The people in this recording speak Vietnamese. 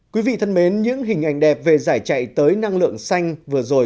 quý vị thân mến những hình ảnh đẹp về giải chạy tới năng lượng xanh vừa rồi